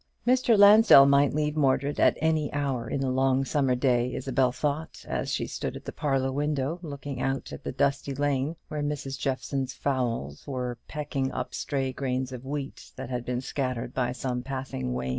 Mr. Lansdell might leave Mordred at any hour in the long summer day, Isabel thought, as she stood at the parlour window looking out at the dusty lane, where Mrs. Jeffson's fowls were pecking up stray grains of wheat that had been scattered by some passing wain.